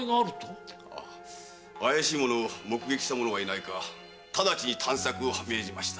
怪しい者を目撃した者がいないかただちに探索を命じました。